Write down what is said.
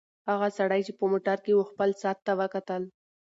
هغه سړی چې په موټر کې و خپل ساعت ته وکتل.